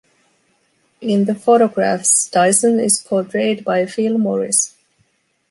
In the photographs, Dyson is portrayed by Phil Morris.